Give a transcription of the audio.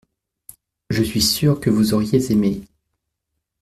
Je suis sûr que vous auriez aimé.